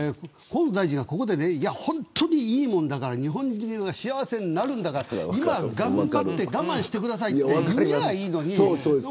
ここで本当にいいものだから日本中が幸せになるから頑張って我慢してくださいと言えばいいのに。